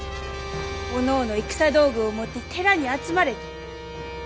おのおの戦道具を持って寺に集まれと。